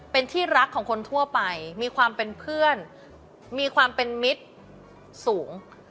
เป็นที่รักของคนทั่วไปมีความเป็นเพื่อนมีความเป็นมิตรสูง